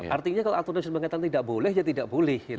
artinya kalau aturan dan pengangkatan tidak boleh ya tidak boleh